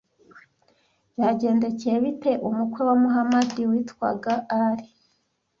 Byagendekeye bite umukwe wa Muhamadi witwaga Ali